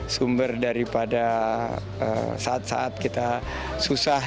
sumber daripada saat saat kita susah